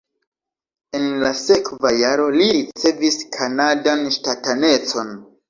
En la sekva jaro li ricevis kanadan ŝtatanecon.